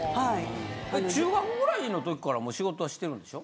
中学ぐらいの時からもう仕事はしてるんでしょ？